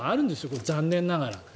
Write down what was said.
これ、残念ながら。